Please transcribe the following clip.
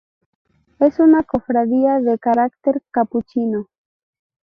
Es una cofradía de carácter capuchino.